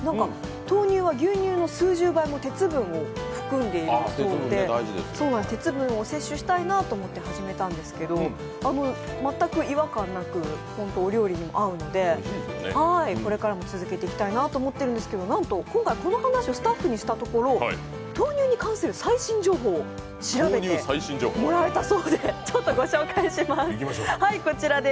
豆乳は牛乳の数十倍も鉄分を含んでいるそうで鉄分を摂取したいなと思って始めたんですけど、全く違和感なくお料理にも合うのでこれからも続けていきたいなと思っているんですけどなんと今回この話をスタッフにしたところ、豆乳に関する最新情報を調べてもらえたそうでご紹介します。